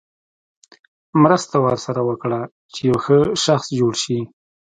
مرسته ورسره وکړه چې یو ښه شخص جوړ شي.